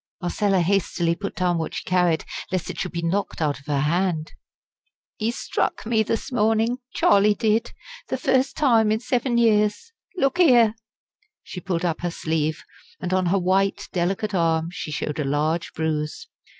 Marcella hastily put down what she carried, lest it should be knocked out of her hand. "He struck me this morning! Charlie did the first time in seven years. Look here!" She pulled up her sleeve, and on her white, delicate arm she showed a large bruise.